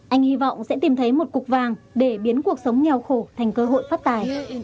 anh hy vọng sẽ tìm thấy một cục vàng để biến cuộc sống nghèo khổ thành cơ hội phát tài